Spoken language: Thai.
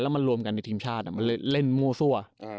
มันรวมกันในทีมชาติมันเล่นมั่วซั่ว